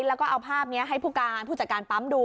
แล้วก็เอาภาพนี้ให้ผู้การผู้จัดการปั๊มดู